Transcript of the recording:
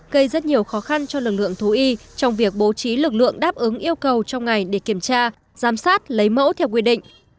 gây rất nhiều khó khăn cho lực lượng thú y trong việc bố trí lực lượng đáp ứng yêu cầu trong ngày để kiểm tra giám sát lấy mẫu theo quy định